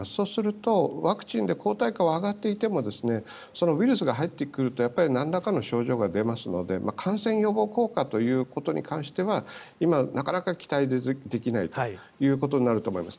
そうすると、ワクチンで抗体価は上がっていてもウイルスが入ってくるとなんらかの症状が出ますので感染予防効果ということに関しては今、なかなか期待できないということになると思います。